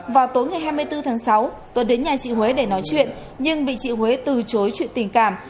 vào tối ngày hai mươi bốn tháng sáu tuấn đến nhà chị huế để nói chuyện nhưng bị chị huế từ chối chuyện tình cảm